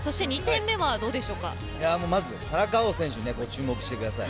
まず田中碧選手に注目してください。